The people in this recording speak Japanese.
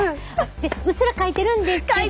でうっすらかいてるんですけども。